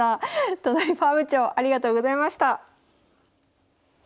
都成ファーム長ありがとうございました。